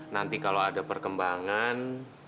nanti kalau ada perkembangan